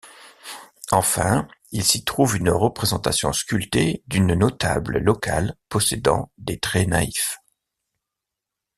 Enfin, il s'y trouve une représentation sculptée d'une notable locale possédant des traits naïfs.